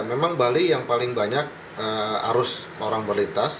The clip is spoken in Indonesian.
memang bali yang paling banyak arus orang berlintas